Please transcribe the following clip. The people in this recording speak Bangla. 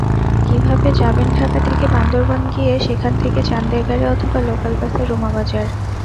কীভাবে যাবেনঢাকা থেকে বান্দরবান গিয়ে সেখান থেকে চান্দের গাড়ি অথবা লোকাল বাসে রুমাবাজার।